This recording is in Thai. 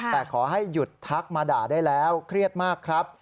แต่ขอให้หยุดทักมาด่าได้แล้วเครียดมากครับ